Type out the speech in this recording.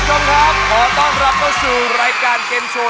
ขอต้อนรับเมื่อสู่รายการเกมโชว์